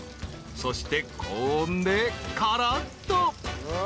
［そして高温でからっと］